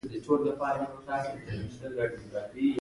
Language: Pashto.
یوګړی ودریږه باره به ولاړ سی.